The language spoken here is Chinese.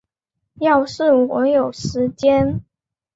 要是我有时间